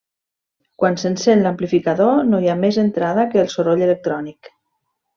Quan s'encén l'amplificador, no hi ha més entrada que el soroll electrònic.